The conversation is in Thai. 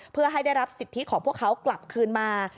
เพื่อให้ได้รับสิทธิของพวกเขากลับคืนมา